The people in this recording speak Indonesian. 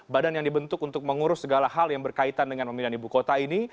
badan yang dibentuk untuk mengurus segala hal yang berkaitan dengan pemindahan ibu kota ini